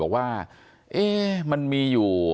บอกว่าเอ๊ะมันมีอยู่